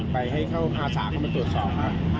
ไปให้เข้าอาสาเข้ามาตรวจสอบครับ